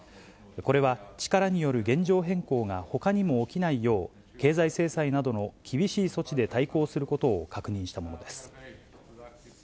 これは力による現状変更がほかにも起きないよう、経済制裁などの厳しい措置で対抗することを確認したものです。